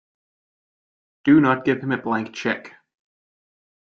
Do not give him a blank check!